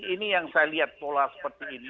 ini yang saya lihat pola seperti ini